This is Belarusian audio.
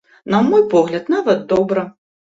На мой погляд, нават добра.